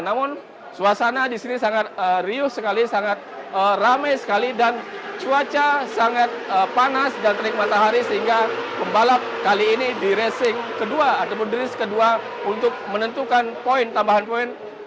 namun suasana di sini sangat riuh sekali sangat ramai sekali dan cuaca sangat panas dan terik matahari sehingga pembalap kali ini di racing kedua ataupun race kedua untuk menentukan poin tambahan poin